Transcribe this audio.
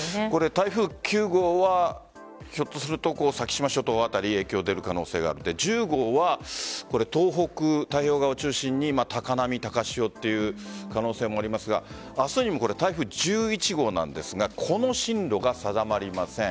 台風９号はひょっとすると先島諸島辺り影響する可能性があって１０号は東北、太平洋側を中心に高波、高潮という可能性もありますが明日にも台風１１号ですがこの進路が定まりません。